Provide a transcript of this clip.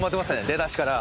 出だしから。